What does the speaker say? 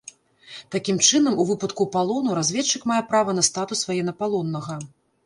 Такім чынам, у выпадку палону, разведчык мае права на статус ваеннапалоннага.